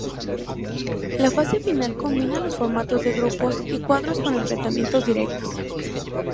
La fase final combina los formatos de grupos y cuadros con enfrentamientos directos.